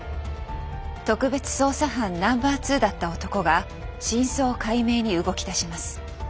特別捜査班ナンバーツーだった男が真相解明に動きだします。